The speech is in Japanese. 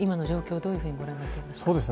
どういうふうにご覧になっていますか？